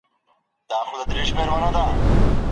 ایا دا ماشوم به کله هم د انا په زړه کې ځای پیدا کړي؟